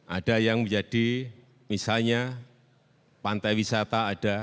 ada yang menjadi misalnya pantai wisata ada